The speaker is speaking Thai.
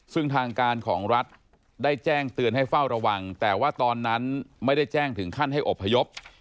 ซึ่งทางการของรัฐได้แจ้งเตือนให้เฝ้าระวังแต่ว่าตอนนั้นไม่ได้แจ้งถึงขั้นให้อบพยพ